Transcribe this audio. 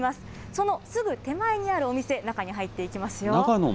そのすぐ手前にあるお店、中に入っていきますよ。